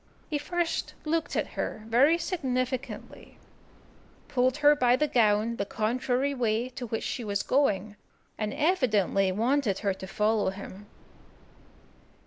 He first looked at her very significantly, pulled her by the gown the contrary way to which she was going, and evidently wanted her to follow him.